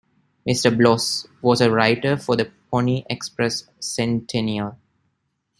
Mr. Bloss was a writer for the Pony Express Centennial.